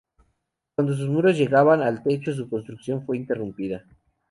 Cuando sus muros llegaban al techo su construcción fue interrumpida.